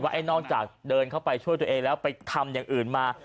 ไอ้นอกจากเดินเข้าไปช่วยตัวเองแล้วไปทำอย่างอื่นมา